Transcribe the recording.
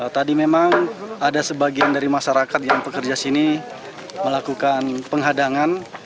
tadi memang ada sebagian dari masyarakat yang pekerja sini melakukan penghadangan